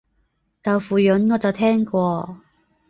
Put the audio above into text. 豆腐膶我就聽過